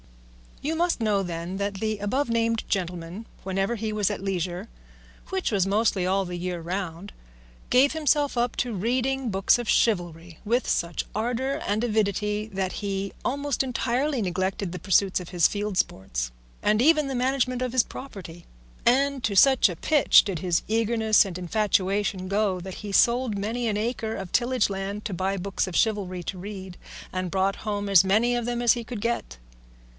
You must know, then, that the above named gentleman whenever he was at leisure (which was mostly all the year round) gave himself up to reading books of chivalry with such ardour and avidity that he almost entirely neglected the pursuit of his field sports, and even the management of his property; and to such a pitch did his eagerness and infatuation go that he sold many an acre of tillageland to buy books of chivalry to read, and brought home as many of them as he could get.